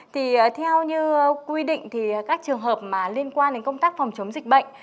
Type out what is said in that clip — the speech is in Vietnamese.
thì theo như quy định thì các trường hợp mà liên quan đến công tác phòng chống dịch bệnh